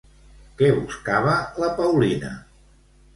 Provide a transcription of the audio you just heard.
Què buscava la Paulina?